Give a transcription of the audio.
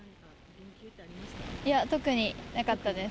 いや、特になかったです。